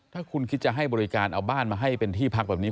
ถ้าคุณคิดจะให้บริการเอาบ้านมาให้เป็นที่พักแบบนี้